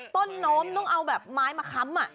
โน้มต้องเอาแบบไม้มาค้ำ